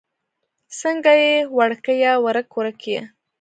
څنګه يې وړکيه؛ ورک ورک يې؟